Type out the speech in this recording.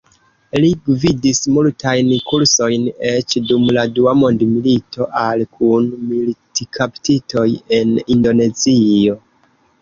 Li gvidis multajn kursojn, eĉ dum la dua mondmilito al kun-militkaptitoj en Indonezio.